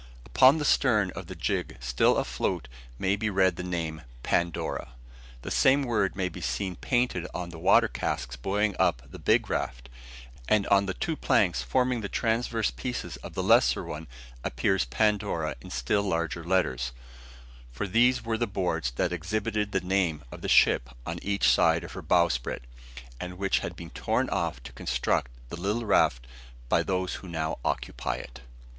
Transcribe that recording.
Upon the stern of the gig still afloat may be read the name Pandora. The same word may be seen painted on the water casks buoying up the big raft; and on the two planks forming the transverse pieces of the lesser one appears Pandora in still larger letters: for these were the boards that exhibited the name of the ship on each side of her bowsprit, and which had been torn off to construct the little raft by those who now occupy it.